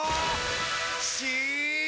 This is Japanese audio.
し！